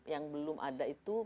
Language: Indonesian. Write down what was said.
yang belum ada itu